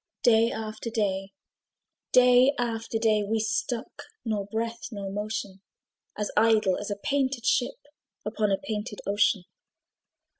Day after day, day after day, We stuck, nor breath nor motion; As idle as a painted ship Upon a painted ocean.